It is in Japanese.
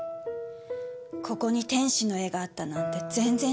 ここに天使の絵があったなんて全然知らなかった。